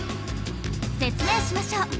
説明しましょう。